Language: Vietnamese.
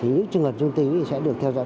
những trường hợp dung tính sẽ được theo dõi